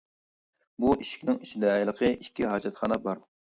بۇ ئىشىكنىڭ ئىچىدە ھېلىقى ئىككى ھاجەتخانا بار.